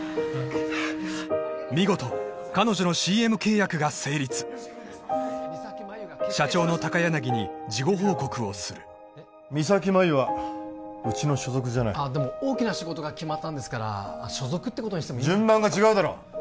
見事彼女のＣＭ契約が成立社長の高柳に事後報告をする三咲麻有はうちの所属じゃないあでも大きな仕事が決まったんですから所属ってことにしても順番が違うだろ！